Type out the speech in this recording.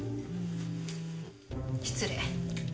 失礼。